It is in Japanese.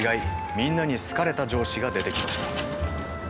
みんなに好かれた上司が出てきました。